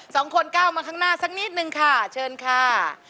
สองคนก้าวมาข้างหน้าสักนิดนึงค่ะเชิญค่ะ